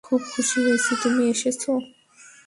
খুব খুশি হয়েছি তুমি এসেছ!